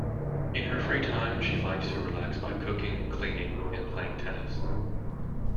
In her free time, she likes to relax by cooking, cleaning and playing tennis.